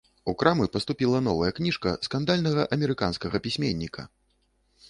У крамы паступіла новая кніжка скандальнага амерыканскага пісьменніка.